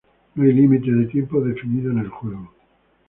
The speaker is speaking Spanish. No hay límite de tiempo definido en el juego.